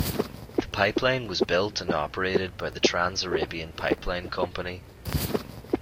The pipeline was built and operated by the Trans-Arabian Pipeline Company.